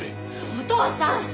お父さん！